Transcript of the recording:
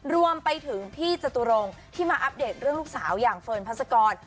รวมไปถึงพี่จตุรงค์ที่มาอัปเดตเรื่องลูกสาวอย่างเฟิร์นพัศกร